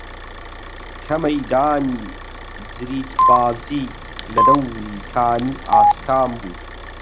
کە مەیدانی جریدبازی لە دەوری کانی ئاسکان بوو